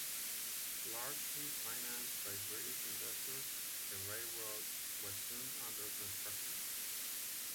Largely financed by British investors, a railroad was soon under construction.